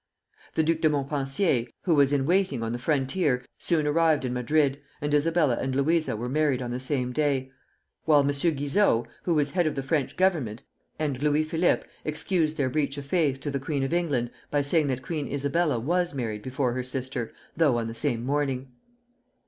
The Duc de Montpensier, who was in waiting on the frontier, soon arrived in Madrid, and Isabella and Luisa were married on the same day; while M. Guizot, who was head of the French Government, and Louis Philippe excused their breach of faith to the queen of England by saying that Queen Isabella was married before her sister, though on the same morning.